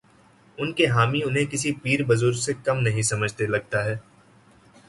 ان کے حامی انہیں کسی پیر بزرگ سے کم نہیں سمجھتے، لگتا ہے۔